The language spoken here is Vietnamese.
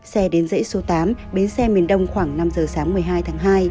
xe đến dãy số tám bến xe miền đông khoảng năm giờ sáng một mươi hai tháng hai